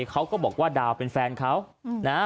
เขาก็บอกว่าดาวเป็นแฟนเขานะฮะ